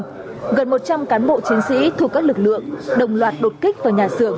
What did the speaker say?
gần một trăm linh cán bộ chiến sĩ thuộc các lực lượng đồng loạt đột kích vào nhà xưởng